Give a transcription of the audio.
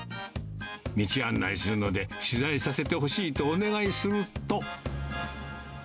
道案内するので、取材させてほしいとお願いすると。